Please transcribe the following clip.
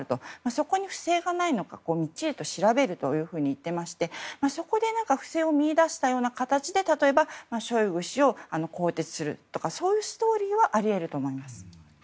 そこに不正がないのかみっちりと調べるといっていましてそこで何か不正を見出した形で例えばショイグ氏を更迭するとかそういうストーリーはあり得ると思います。